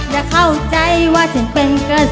ได้เข้าใจว่าฉันเป็นกระสือ